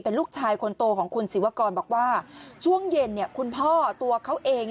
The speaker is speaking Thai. เป็นลูกชายคนโตของคุณศรีวกรบอกว่าช่วงเย็นคุณพ่อตัวเขาเอง